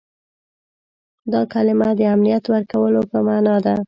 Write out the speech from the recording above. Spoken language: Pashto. دا کلمه د امنیت ورکولو په معنا ده.